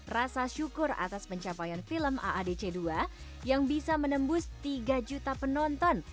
rasa syukur atas pencapaian film aadc dua yang bisa menembus tiga juta penonton